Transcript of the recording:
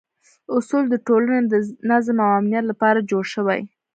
اصول د ټولنې د نظم او امنیت لپاره جوړ شوي.